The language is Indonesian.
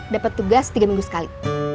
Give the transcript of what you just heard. dapat tugas tiga minggu sekali